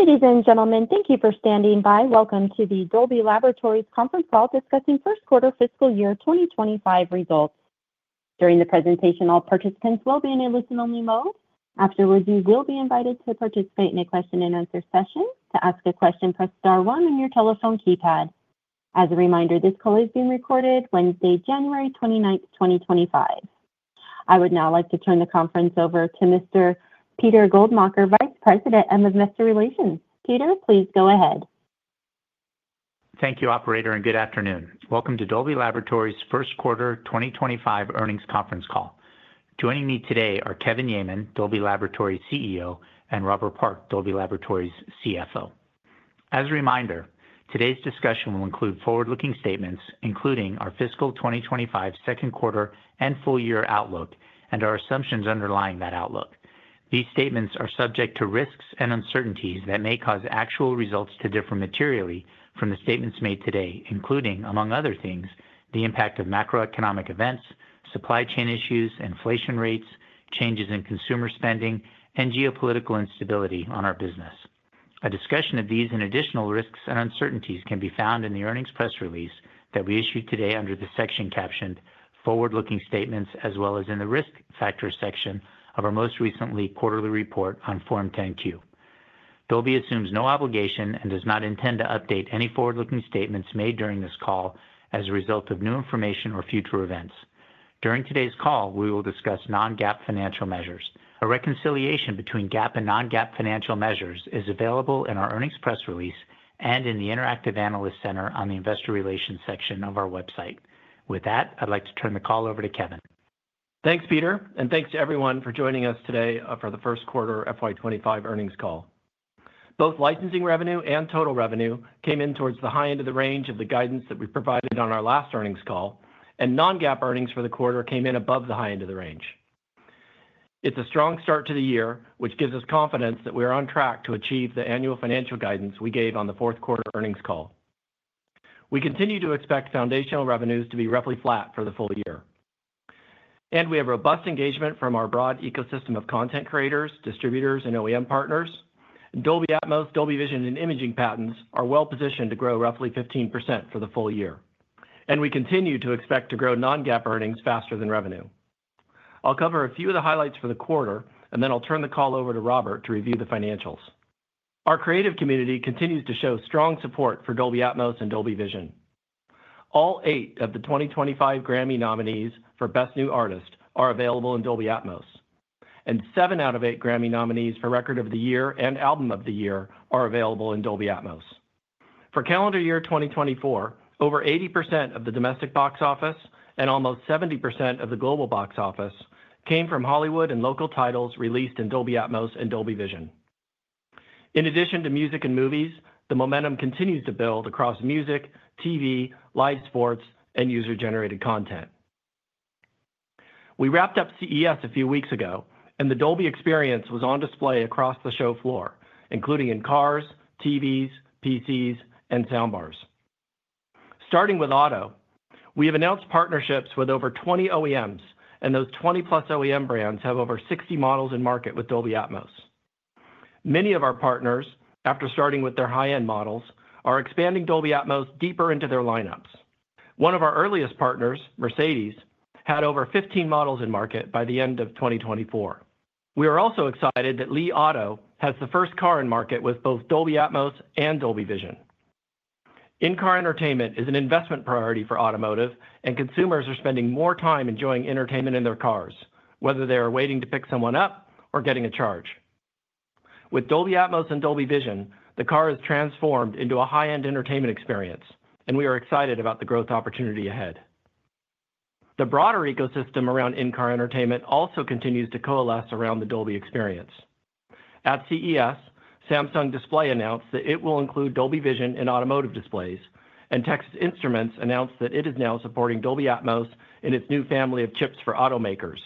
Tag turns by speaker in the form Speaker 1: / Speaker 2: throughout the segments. Speaker 1: Ladies and gentlemen, thank you for standing by. Welcome to the Dolby Laboratories Conference Call discussing First Quarter fiscal year 2025 results. During the presentation, all participants will be in a listen-only mode. Afterwards, you will be invited to participate in a question-and-answer session. To ask a question, press star one on your telephone keypad. As a reminder, this call is being recorded Wednesday, January 29th, 2025. I would now like to turn the conference over to Mr. Peter Goldmacher, Vice President of Investor Relations. Peter, please go ahead.
Speaker 2: Thank you, Operator, and good afternoon. Welcome to Dolby Laboratories' first quarter 2025 earnings conference call. Joining me today are Kevin Yeaman, Dolby Laboratories CEO, and Robert Park, Dolby Laboratories CFO. As a reminder, today's discussion will include forward-looking statements, including our fiscal 2025 second quarter and full year outlook, and our assumptions underlying that outlook. These statements are subject to risks and uncertainties that may cause actual results to differ materially from the statements made today, including, among other things, the impact of macroeconomic events, supply chain issues, inflation rates, changes in consumer spending, and geopolitical instability on our business. A discussion of these and additional risks and uncertainties can be found in the earnings press release that we issued today under the section captioned Forward-Looking Statements, as well as in the Risk Factors section of our most recent quarterly report on Form 10-Q. Dolby assumes no obligation and does not intend to update any forward-looking statements made during this call as a result of new information or future events. During today's call, we will discuss non-GAAP financial measures. A reconciliation between GAAP and non-GAAP financial measures is available in our earnings press release and in the Interactive Analyst Center on the Investor Relations section of our website. With that, I'd like to turn the call over to Kevin.
Speaker 3: Thanks, Peter, and thanks to everyone for joining us today for the first quarter FY 2025 earnings call. Both licensing revenue and total revenue came in towards the high end of the range of the guidance that we provided on our last earnings call, and Non-GAAP earnings for the quarter came in above the high end of the range. It's a strong start to the year, which gives us confidence that we are on track to achieve the annual financial guidance we gave on the fourth quarter earnings call. We continue to expect foundational revenues to be roughly flat for the full year, and we have robust engagement from our broad ecosystem of content creators, distributors, and OEM partners. Dolby Atmos, Dolby Vision, and imaging patents are well positioned to grow roughly 15% for the full year, and we continue to expect to grow Non-GAAP earnings faster than revenue. I'll cover a few of the highlights for the quarter, and then I'll turn the call over to Robert to review the financials. Our creative community continues to show strong support for Dolby Atmos and Dolby Vision. All eight of the 2025 Grammy nominees for Best New Artist are available in Dolby Atmos, and seven out of eight Grammy nominees for Record of the Year and Album of the Year are available in Dolby Atmos. For calendar year 2024, over 80% of the domestic box office and almost 70% of the global box office came from Hollywood and local titles released in Dolby Atmos and Dolby Vision. In addition to music and movies, the momentum continues to build across music, TV, live sports, and user-generated content. We wrapped up CES a few weeks ago, and the Dolby experience was on display across the show floor, including in cars, TVs, PCs, and soundbars. Starting with Auto, we have announced partnerships with over 20 OEMs, and those 20+ OEM brands have over 60 models in market with Dolby Atmos. Many of our partners, after starting with their high-end models, are expanding Dolby Atmos deeper into their lineups. One of our earliest partners, Mercedes, had over 15 models in market by the end of 2024. We are also excited that Li Auto has the first car in market with both Dolby Atmos and Dolby Vision. In-car entertainment is an investment priority for automotive, and consumers are spending more time enjoying entertainment in their cars, whether they are waiting to pick someone up or getting a charge. With Dolby Atmos and Dolby Vision, the car is transformed into a high-end entertainment experience, and we are excited about the growth opportunity ahead. The broader ecosystem around in-car entertainment also continues to coalesce around the Dolby experience. At CES, Samsung Display announced that it will include Dolby Vision in automotive displays, and Texas Instruments announced that it is now supporting Dolby Atmos in its new family of chips for automakers,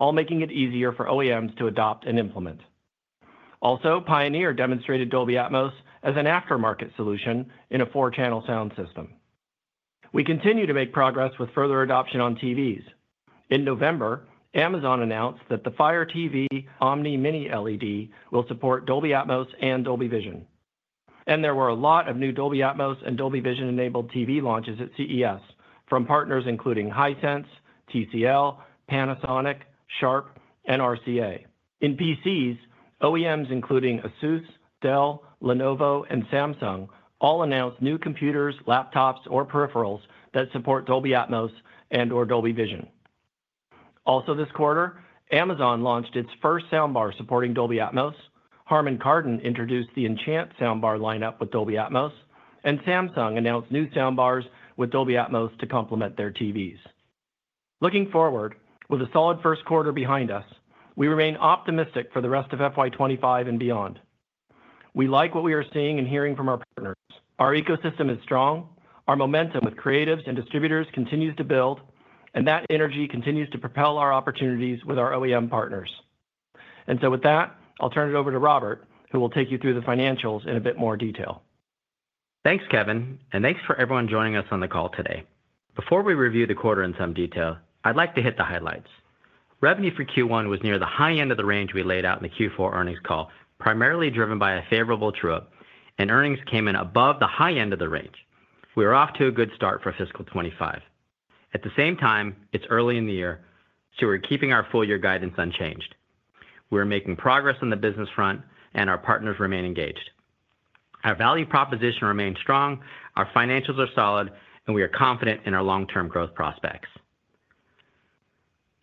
Speaker 3: all making it easier for OEMs to adopt and implement. Also, Pioneer demonstrated Dolby Atmos as an aftermarket solution in a 4-channel sound system. We continue to make progress with further adoption on TVs. In November, Amazon announced that the Fire TV Omni Mini-LED will support Dolby Atmos and Dolby Vision, and there were a lot of new Dolby Atmos and Dolby Vision-enabled TV launches at CES from partners including Hisense, TCL, Panasonic, Sharp, and RCA. In PCs, OEMs including ASUS, Dell, Lenovo, and Samsung all announced new computers, laptops, or peripherals that support Dolby Atmos and/or Dolby Vision. Also, this quarter, Amazon launched its first soundbar supporting Dolby Atmos, Harman Kardon introduced the Enchant soundbar lineup with Dolby Atmos, and Samsung announced new soundbars with Dolby Atmos to complement their TVs. Looking forward, with a solid first quarter behind us, we remain optimistic for the rest of FY 2025 and beyond. We like what we are seeing and hearing from our partners. Our ecosystem is strong, our momentum with creatives and distributors continues to build, and that energy continues to propel our opportunities with our OEM partners. And so with that, I'll turn it over to Robert, who will take you through the financials in a bit more detail.
Speaker 4: Thanks, Kevin, and thanks for everyone joining us on the call today. Before we review the quarter in some detail, I'd like to hit the highlights. Revenue for Q1 was near the high end of the range we laid out in the Q4 earnings call, primarily driven by a favorable true-up, and earnings came in above the high end of the range. We were off to a good start for fiscal 2025. At the same time, it's early in the year, so we're keeping our full-year guidance unchanged. We're making progress on the business front, and our partners remain engaged. Our value proposition remains strong, our financials are solid, and we are confident in our long-term growth prospects.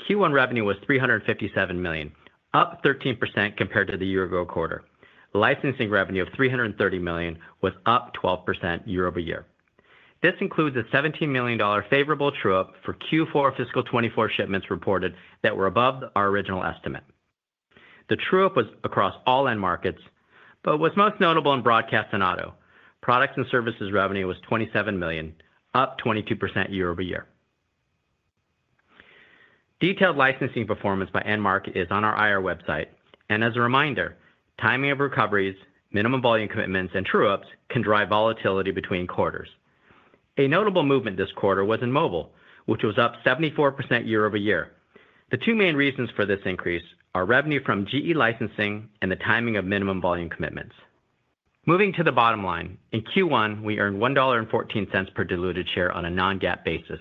Speaker 4: Q1 revenue was $357 million, up 13% compared to the year-ago quarter. Licensing revenue of $330 million was up 12% year-over-year. This includes a $17 million favorable true-up for Q4 fiscal 2024 shipments reported that were above our original estimate. The true-up was across all end markets, but was most notable in broadcast and auto. Products and services revenue was $27 million, up 22% year-over-year. Detailed licensing performance by end market is on our IR website, and as a reminder, timing of recoveries, minimum volume commitments, and true-ups can drive volatility between quarters. A notable movement this quarter was in mobile, which was up 74% year-over-year. The two main reasons for this increase are revenue from GE Licensing and the timing of minimum volume commitments. Moving to the bottom line, in Q1, we earned $1.14 per diluted share on a non-GAAP basis,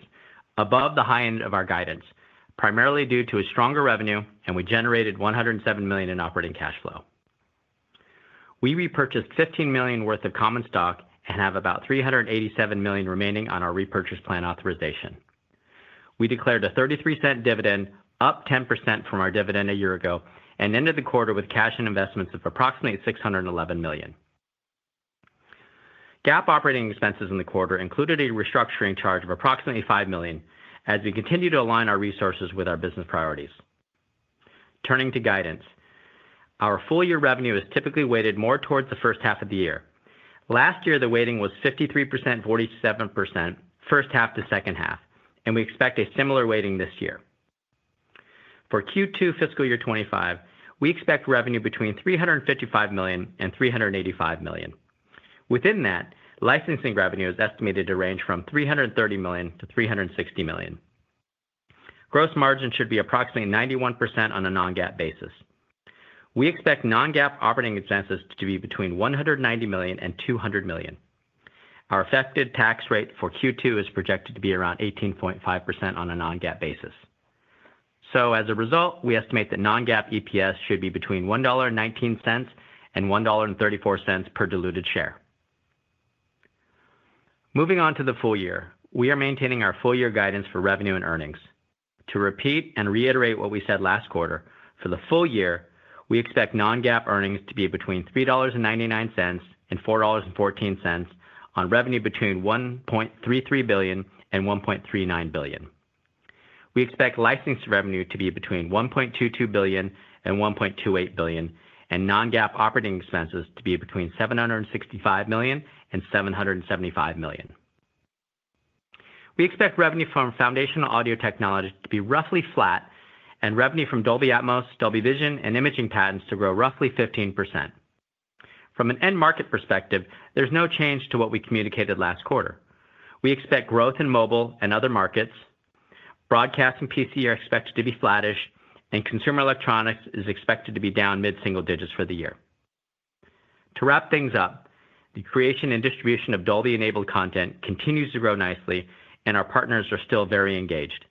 Speaker 4: above the high end of our guidance, primarily due to a stronger revenue, and we generated $107 million in operating cash flow. We repurchased $15 million worth of common stock and have about $387 million remaining on our repurchase plan authorization. We declared a $0.33 dividend, up 10% from our dividend a year ago, and ended the quarter with cash and investments of approximately $611 million. GAAP operating expenses in the quarter included a restructuring charge of approximately $5 million, as we continue to align our resources with our business priorities. Turning to guidance, our full-year revenue is typically weighted more towards the first half of the year. Last year, the weighting was 53% and 47% first half to second half, and we expect a similar weighting this year. For Q2 fiscal year 2025, we expect revenue between $355 million and $385 million. Within that, licensing revenue is estimated to range from $330 million to $360 million. Gross margin should be approximately 91% on a non-GAAP basis. We expect non-GAAP operating expenses to be between $190 million and $200 million. Our effective tax rate for Q2 is projected to be around 18.5% on a non-GAAP basis. So, as a result, we estimate that non-GAAP EPS should be between $1.19 and $1.34 per diluted share. Moving on to the full year, we are maintaining our full-year guidance for revenue and earnings. To repeat and reiterate what we said last quarter, for the full year, we expect non-GAAP earnings to be between $3.99 and $4.14 on revenue between $1.33 billion and $1.39 billion. We expect licensing revenue to be between $1.22 billion and $1.28 billion, and non-GAAP operating expenses to be between $765 million and $775 million. We expect revenue from foundational audio technology to be roughly flat, and revenue from Dolby Atmos, Dolby Vision, and imaging patents to grow roughly 15%. From an end market perspective, there's no change to what we communicated last quarter. We expect growth in mobile and other markets. Broadcast and PC are expected to be flattish, and consumer electronics is expected to be down mid-single digits for the year. To wrap things up, the creation and distribution of Dolby-enabled content continues to grow nicely, and our partners are still very engaged.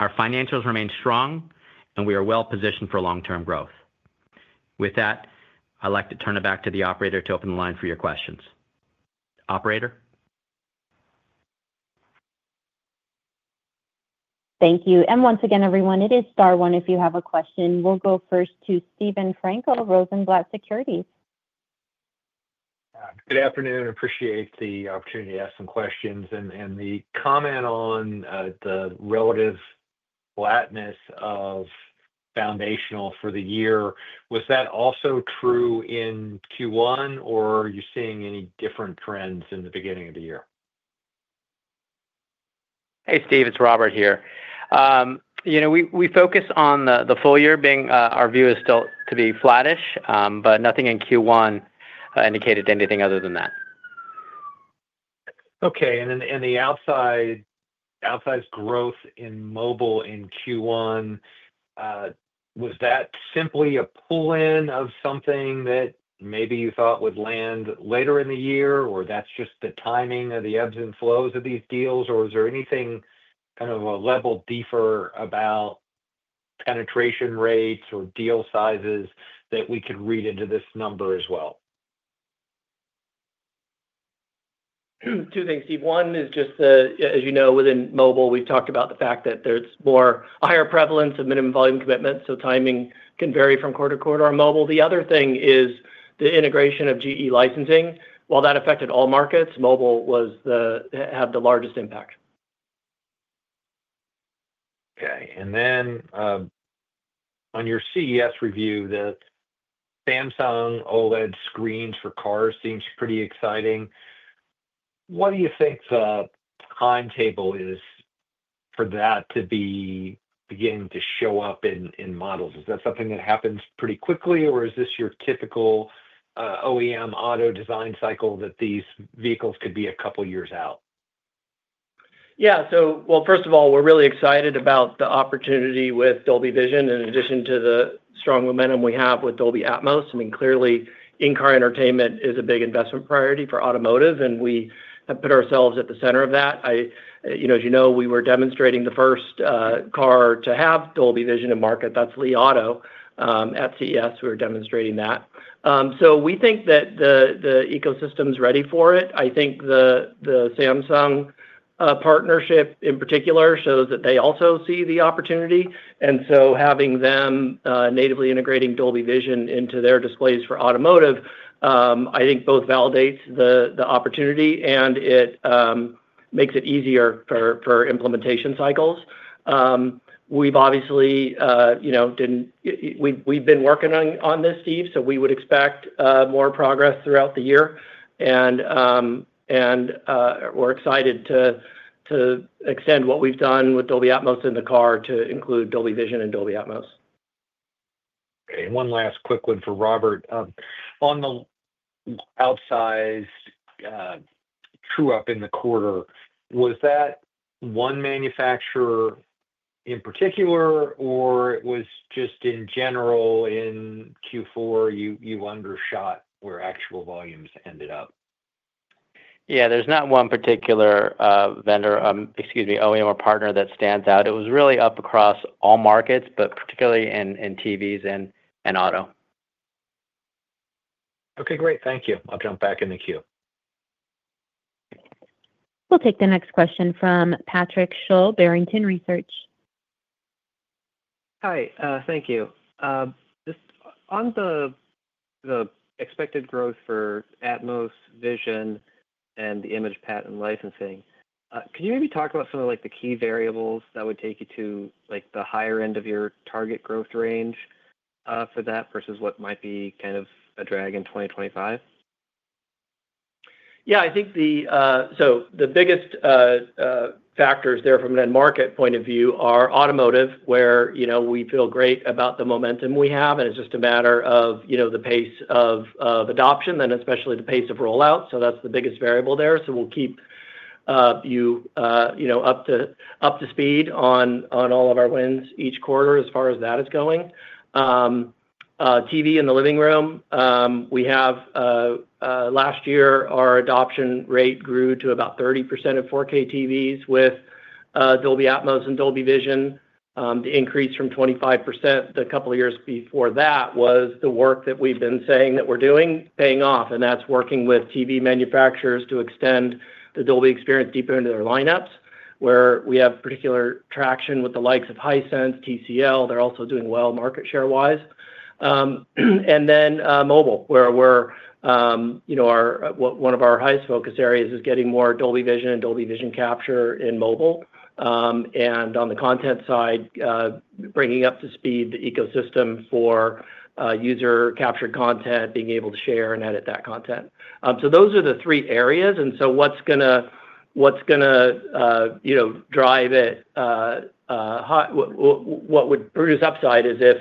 Speaker 4: Our financials remain strong, and we are well positioned for long-term growth. With that, I'd like to turn it back to the Operator to open the line for your questions. Operator.
Speaker 1: Thank you. And once again, everyone, it is star one if you have a question. We'll go first to Steven Frankel of Rosenblatt Securities.
Speaker 5: Good afternoon. Appreciate the opportunity to ask some questions. And the comment on the relative flatness of foundational for the year, was that also true in Q1, or are you seeing any different trends in the beginning of the year?
Speaker 4: Hey, Steve, it's Robert here. We focus on the full year, being our view is still to be flattish, but nothing in Q1 indicated anything other than that.
Speaker 5: Okay, and then the outside growth in mobile in Q1, was that simply a pull-in of something that maybe you thought would land later in the year, or that's just the timing of the ebbs and flows of these deals, or is there anything kind of a level deeper about penetration rates or deal sizes that we could read into this number as well?
Speaker 3: Two things, Steve. One is just, as you know, within mobile, we've talked about the fact that there's a higher prevalence of minimum volume commitments, so timing can vary from quarter to quarter on mobile. The other thing is the integration of GE Licensing. While that affected all markets, mobile had the largest impact.
Speaker 5: Okay. And then on your CES review, the Samsung OLED screens for cars seems pretty exciting. What do you think the timetable is for that to be beginning to show up in models? Is that something that happens pretty quickly, or is this your typical OEM auto design cycle that these vehicles could be a couple of years out?
Speaker 3: Yeah. So, well, first of all, we're really excited about the opportunity with Dolby Vision in addition to the strong momentum we have with Dolby Atmos. I mean, clearly, in-car entertainment is a big investment priority for automotive, and we have put ourselves at the center of that. As you know, we were demonstrating the first car to have Dolby Vision in market. That's Li Auto at CES. We were demonstrating that. So we think that the ecosystem's ready for it. I think the Samsung partnership in particular shows that they also see the opportunity. And so having them natively integrating Dolby Vision into their displays for automotive, I think both validates the opportunity and it makes it easier for implementation cycles. We've obviously been working on this, Steve, so we would expect more progress throughout the year, and we're excited to extend what we've done with Dolby Atmos in the car to include Dolby Vision and Dolby Atmos.
Speaker 5: Okay. One last quick one for Robert. On the outsized true-up in the quarter, was that one manufacturer in particular, or was just in general in Q4 you undershot where actual volumes ended up?
Speaker 4: Yeah. There's not one particular vendor, excuse me, OEM or partner that stands out. It was really up across all markets, but particularly in TVs and Auto.
Speaker 5: Okay. Great. Thank you. I'll jump back in the queue.
Speaker 1: We'll take the next question from Patrick Sholl, Barrington Research.
Speaker 6: Hi. Thank you. On the expected growth for Atmos, Vision, and the imaging patents licensing, could you maybe talk about some of the key variables that would take you to the higher end of your target growth range for that versus what might be kind of a drag in 2025?
Speaker 3: Yeah. So the biggest factors there from an end market point of view are automotive, where we feel great about the momentum we have, and it's just a matter of the pace of adoption, and especially the pace of rollout. So that's the biggest variable there. So we'll keep you up to speed on all of our wins each quarter as far as that is going. TV in the living room, we have last year, our adoption rate grew to about 30% of 4K TVs with Dolby Atmos and Dolby Vision. The increase from 25% the couple of years before that was the work that we've been saying that we're doing paying off, and that's working with TV manufacturers to extend the Dolby experience deeper into their lineups, where we have particular traction with the likes of Hisense, TCL. They're also doing well market share-wise. And then mobile, where one of our highest focus areas is getting more Dolby Vision and Dolby Vision capture in mobile. And on the content side, bringing up to speed the ecosystem for user-captured content, being able to share and edit that content. So those are the three areas. And so what's going to drive it? What would produce upside is if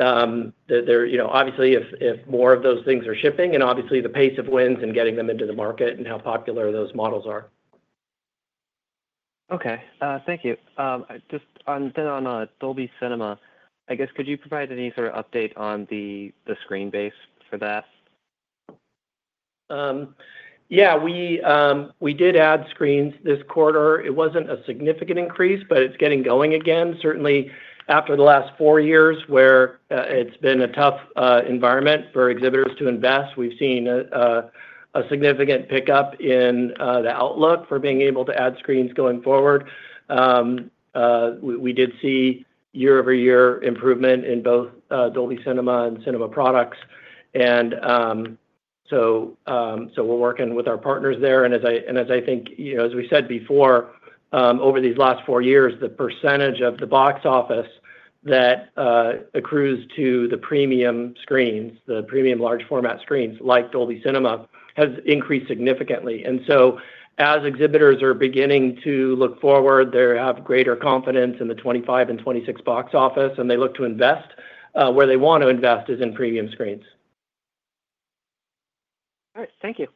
Speaker 3: obviously, if more of those things are shipping, and obviously the pace of wins and getting them into the market and how popular those models are.
Speaker 6: Okay. Thank you. Just on Dolby Cinema, I guess, could you provide any sort of update on the screen base for that?
Speaker 3: Yeah. We did add screens this quarter. It wasn't a significant increase, but it's getting going again. Certainly, after the last four years where it's been a tough environment for exhibitors to invest, we've seen a significant pickup in the outlook for being able to add screens going forward. We did see year-over-year improvement in both Dolby Cinema and cinema products. And so we're working with our partners there. And as I think, as we said before, over these last four years, the percentage of the box office that accrues to the premium screens, the premium large-format screens like Dolby Cinema, has increased significantly. And so as exhibitors are beginning to look forward, they have greater confidence in the 2025 and 2026 box office, and they look to invest. Where they want to invest is in premium screens.
Speaker 6: All right. Thank you.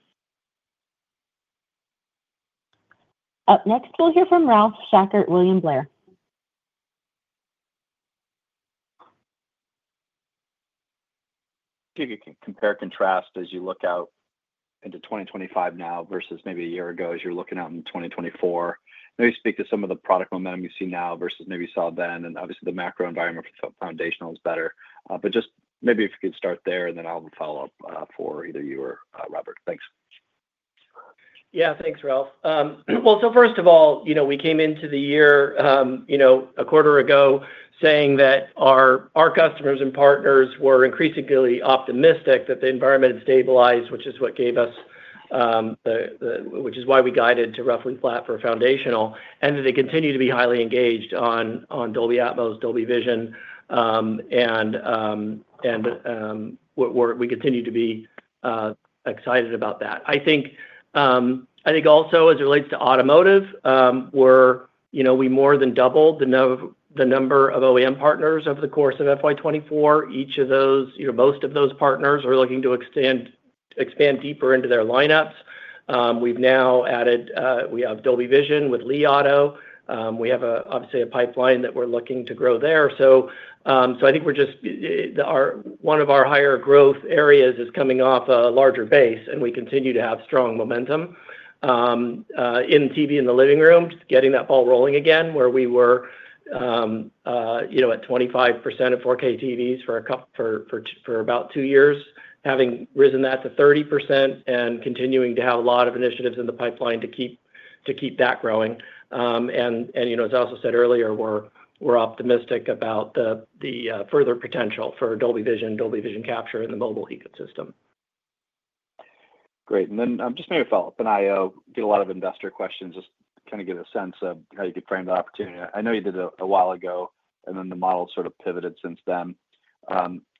Speaker 1: Up next, we'll hear from Ralph Schackart, William Blair.
Speaker 7: If you could compare and contrast as you look out into 2025 now versus maybe a year ago as you're looking out in 2024, maybe speak to some of the product momentum you see now versus maybe you saw then, and obviously the macro environment for foundational is better. But just maybe if you could start there, and then I'll follow up for either you or Robert. Thanks.
Speaker 3: Yeah. Thanks, Ralph. Well, so first of all, we came into the year a quarter ago saying that our customers and partners were increasingly optimistic that the environment had stabilized, which is what gave us, which is why we guided to roughly flat for foundational, and that they continue to be highly engaged on Dolby Atmos, Dolby Vision, and we continue to be excited about that. I think also as it relates to automotive, we more than doubled the number of OEM partners over the course of FY 2024. Each of those, most of those partners are looking to expand deeper into their lineups. We've now added we have Dolby Vision with Li Auto. We have obviously a pipeline that we're looking to grow there. I think we're just one of our higher growth areas is coming off a larger base, and we continue to have strong momentum in TV in the living room, just getting that ball rolling again where we were at 25% of 4K TVs for about two years, having risen that to 30% and continuing to have a lot of initiatives in the pipeline to keep that growing. As I also said earlier, we're optimistic about the further potential for Dolby Vision, Dolby Vision capture in the mobile ecosystem.
Speaker 7: Great. And then just maybe follow up on that. I get a lot of investor questions, just trying to get a sense of how you could frame the opportunity. I know you did it a while ago, and then the model sort of pivoted since then.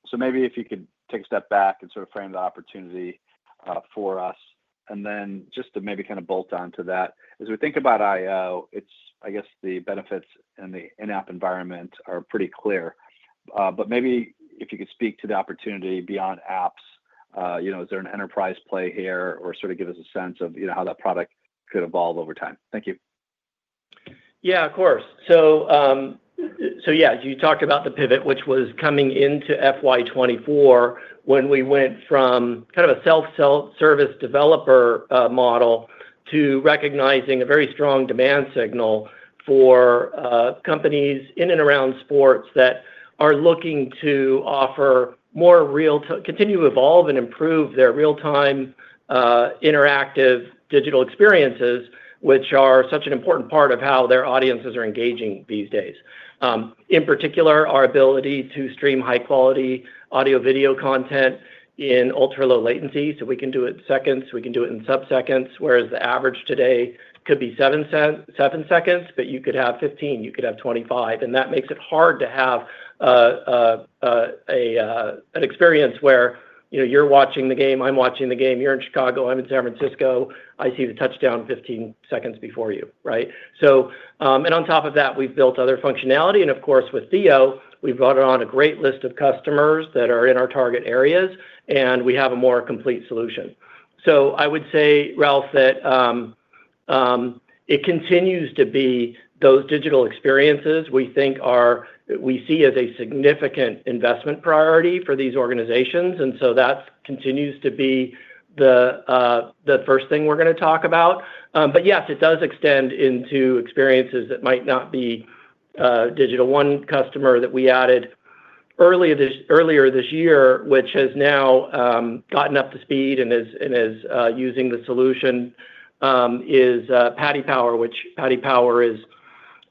Speaker 7: So maybe if you could take a step back and sort of frame the opportunity for us. And then just to maybe kind of bolt onto that, as we think about Dolby.io, I guess the benefits in the in-app environment are pretty clear. But maybe if you could speak to the opportunity beyond apps, is there an enterprise play here, or sort of give us a sense of how that product could evolve over time? Thank you.
Speaker 3: Yeah, of course, so yeah, you talked about the pivot, which was coming into FY 2024 when we went from kind of a self-service developer model to recognizing a very strong demand signal for companies in and around sports that are looking to offer more real-time, continue to evolve and improve their real-time interactive digital experiences, which are such an important part of how their audiences are engaging these days. In particular, our ability to stream high-quality audio-video content in ultra-low latency, so we can do it in seconds. We can do it in subseconds, whereas the average today could be 7 seconds, but you could have 15. You could have 25, and that makes it hard to have an experience where you're watching the game, I'm watching the game, you're in Chicago, I'm in San Francisco, I see the touchdown 15 seconds before you, right? On top of that, we've built other functionality. Of course, with THEO, we've brought on a great list of customers that are in our target areas, and we have a more complete solution. So I would say, Ralph, that it continues to be those digital experiences we think we see as a significant investment priority for these organizations. That continues to be the first thing we're going to talk about. But yes, it does extend into experiences that might not be digital. One customer that we added earlier this year, which has now gotten up to speed and is using the solution, is Paddy Power, which Paddy Power is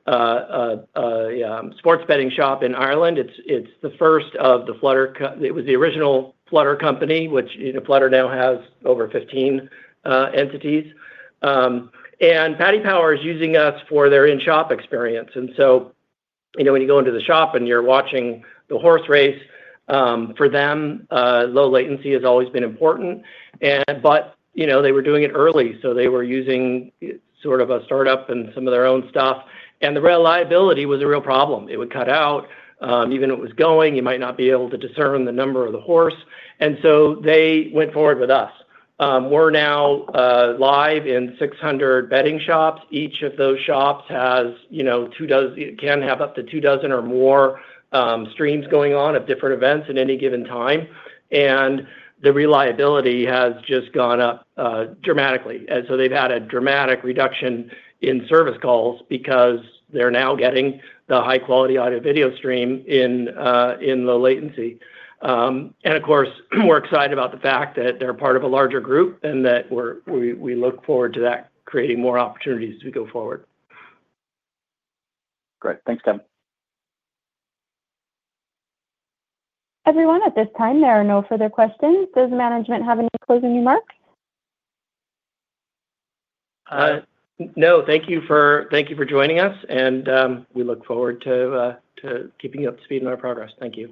Speaker 3: a sports betting shop in Ireland. It's the first of the Flutter. It was the original Flutter company, which Flutter now has over 15 entities. Paddy Power is using us for their in-shop experience. And so when you go into the shop and you're watching the horse race, for them, low latency has always been important. But they were doing it early, so they were using sort of a startup and some of their own stuff. And the reliability was a real problem. It would cut out. Even if it was going, you might not be able to discern the number of the horse. And so they went forward with us. We're now live in 600 betting shops. Each of those shops can have up to two dozen or more streams going on of different events at any given time. And the reliability has just gone up dramatically. And so they've had a dramatic reduction in service calls because they're now getting the high-quality audio-video stream in low latency. Of course, we're excited about the fact that they're part of a larger group and that we look forward to that creating more opportunities as we go forward.
Speaker 7: Great. Thanks, Kevin.
Speaker 1: Everyone, at this time, there are no further questions. Does management have any closing remarks?
Speaker 3: Now, thank you for joining us, and we look forward to keeping you up to speed on our progress. Thank you.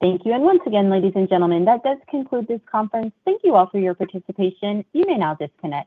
Speaker 1: Thank you. And once again, ladies and gentlemen, that does conclude this conference. Thank you all for your participation. You may now disconnect.